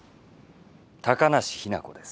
高梨雛子です。